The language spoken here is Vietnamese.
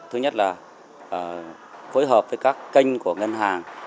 thứ nhất là phối hợp với các kênh của ngân hàng